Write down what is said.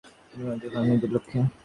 তিনি মনোযোগী হন নিজের লক্ষ্যে।